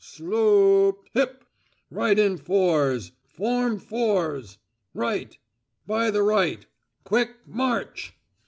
Slo o ope hip! Right in fours: form fórs! Right! By the right, Quick march!"